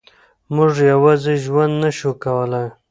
موږ یوازې ژوند نه شو کولای.